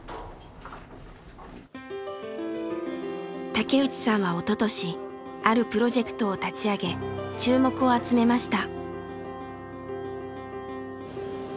竹内さんはおととしあるプロジェクトを立ち上げ注目を集めました。